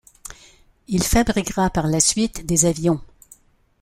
Il fabriquera par la suite des avions.